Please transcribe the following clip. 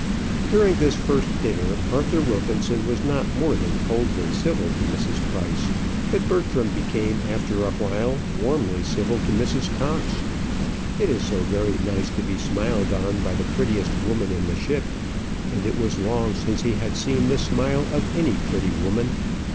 During this first dinner, Arthur Wilkinson was not more than coldly civil to Mrs. Price; but Bertram became after a while warmly civil to Mrs. Cox. It is so very nice to be smiled on by the prettiest woman in the room; and it was long since he had seen the smile of any pretty woman!